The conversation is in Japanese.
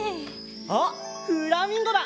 あっフラミンゴだ！